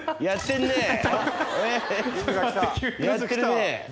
やってるね。